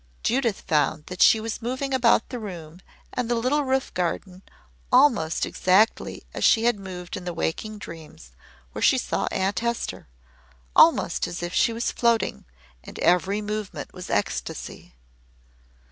Judith found that she was moving about the room and the little roof garden almost exactly as she had moved in the waking dreams where she saw Aunt Hester almost as if she was floating and every movement was ecstasy.